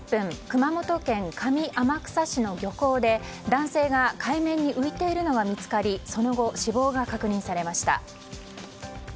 熊本県上天草市の漁港で男性が海面に浮いているのが見つかりその後、死亡が確認されました。